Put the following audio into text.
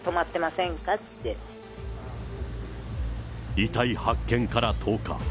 遺体発見から１０日。